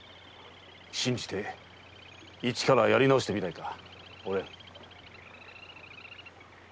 信じて一からやり直してみないかお蓮。